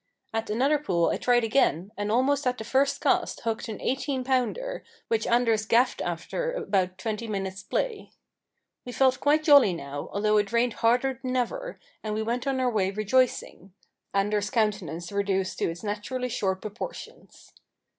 At another pool I tried again, and almost at the first cast hooked an eighteen pounder, which Anders gaffed after about twenty minutes' play. We felt quite jolly now, although it rained harder than ever, and we went on our way rejoicing Anders' countenance reduced to its naturally short proportions.